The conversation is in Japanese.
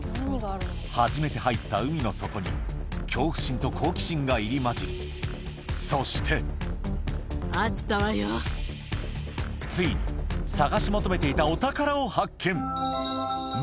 初めて入った海の底に恐怖心と好奇心が入り交じるそしてついに探し求めていたお宝を発見